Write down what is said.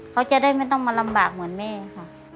เขาจะได้ไม่ต้องมาลำบากเหมือนแม่ค่ะ